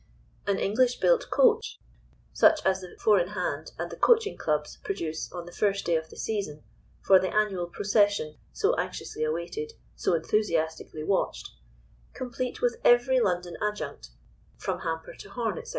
An English built coach—such as the Four in hand and the coaching clubs produce on the first day of the season, for the annual procession, so anxiously awaited, so enthusiastically watched,—complete with every London adjunct, from hamper to horn, etc.